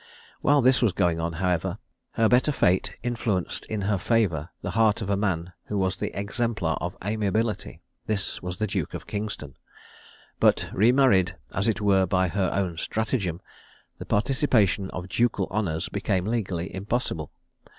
While this was going on, however, her better fate influenced in her favour the heart of a man who was the exemplar of amiability this was the Duke of Kingston: but, re married as it were by her own stratagem, the participation of ducal honours became legally impossible.